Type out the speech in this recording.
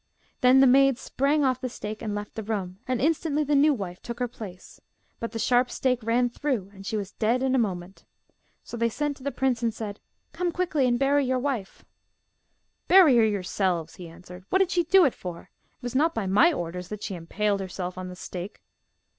Then the maid sprang off the stake and left the room, and instantly the new wife took her place. But the sharp stake ran through, and she was dead in a moment. So they sent to the prince and said, 'Come quickly, and bury your wife.' 'Bury her yourselves,' he answered. 'What did she do it for? It was not by my orders that she impaled herself on the stake.